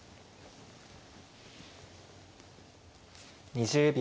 ２０秒。